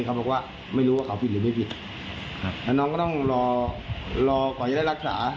เขาบอกว่าไม่รู้ว่าเขาผิดหรือไม่ผิดครับแล้วน้องก็ต้องรอรอก่อนจะได้รักษา